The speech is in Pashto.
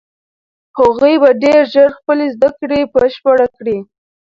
هغوی به ډېر ژر خپلې زده کړې بشپړې کړي.